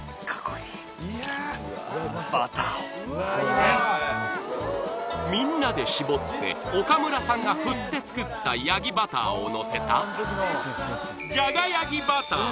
でみんなで搾って岡村さんが振って作ったやぎバターをのせたじゃがやぎバター。